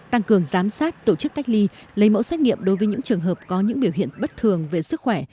tăng cường giám sát tổ chức cách ly lấy mẫu xét nghiệm đối với những trường hợp có những biểu hiện bất thường về sức khỏe